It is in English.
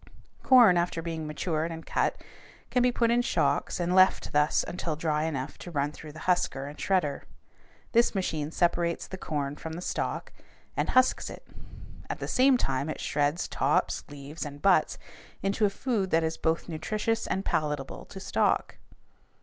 Corn after being matured and cut can be put in shocks and left thus until dry enough to run through the husker and shredder. This machine separates the corn from the stalk and husks it. At the same time it shreds tops, leaves, and butts into a food that is both nutritious and palatable to stock.